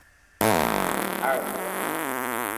埃尔泽。